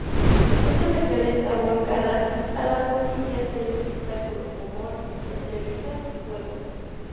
Esta sección está volcada a las noticias del espectáculo, humor, entrevistas y juegos.